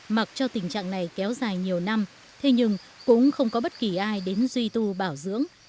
mặc cho tình trạng này kéo dài nhiều năm thế nhưng cũng không có bất kỳ ai đến duy tu bảo dưỡng